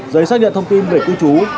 giấy xác nhận thông tin về cư trú